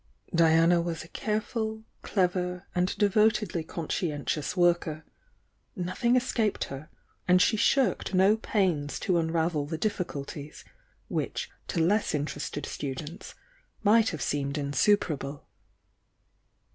Diana was a careful, clever, and devotedly conscien tious worker; nothing escaped her, and she shirked no pains to unravel the difiBculties, which to less interested students, might have seemed insuperable.